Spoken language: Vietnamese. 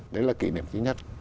đấy là kỷ niệm thứ nhất